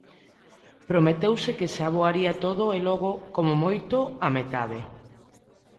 Prometeuse que se aboaría todo e logo, como moito, a metade.